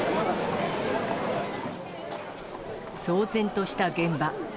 騒然とした現場。